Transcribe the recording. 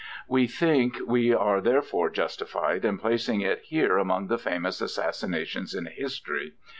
We think we are therefore justified in placing it here among the famous assassinations in history.